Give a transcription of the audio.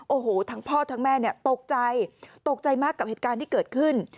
โอ้โหทั้งพ่อทั้งแม่เนี่ยตกใจตกใจมากกับเหตุการณ์ที่เกิดขึ้น